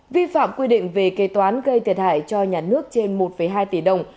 vi phạm quy định về kế toán gây thiệt hại cho nhà nước trên một hai tỷ đồng